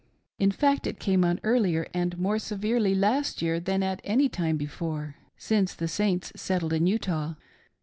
In fact, it came on earlier and more severely last year tfean at any time before, since the Saints settled in Utah.